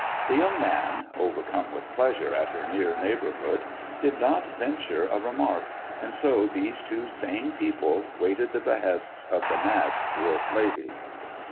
The young man, overcome with pleasure at her near neighbourhood, did not venture a remark, and so these two sane people waited the behests of the mad dwarf lady.